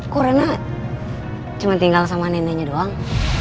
kok rena cuma tinggal sama neneknya doang